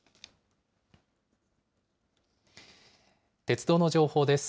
鉄道の情報です。